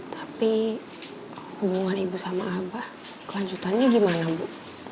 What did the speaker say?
tapi hubungan ibu sama abah kelanjutannya gimana bu